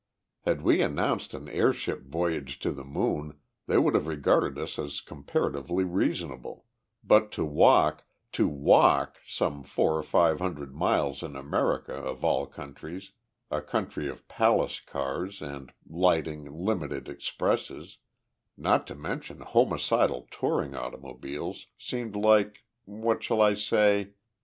Had we announced an air ship voyage to the moon, they would have regarded us as comparatively reasonable, but to walk to walk some four or five hundred miles in America, of all countries, a country of palace cars and, lightning limited expresses, not to mention homicidal touring automobiles, seemed like what shall I say?